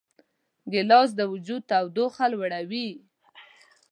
ګیلاس د وجود تودوخه لوړوي.